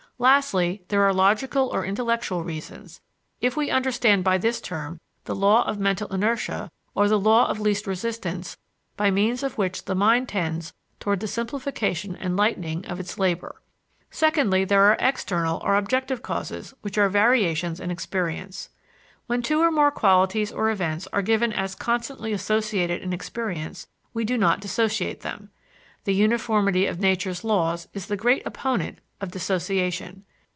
Lastly, there are logical or intellectual reasons, if we understand by this term the law of mental inertia or the law of least resistance by means of which the mind tends toward the simplification and lightening of its labor. Secondly, there are external or objective causes which are variations in experience. When two or more qualities or events are given as constantly associated in experience we do not dissociate them. The uniformity of nature's laws is the great opponent of dissociation.